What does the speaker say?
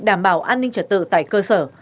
đảm bảo an ninh trật tự tại cơ sở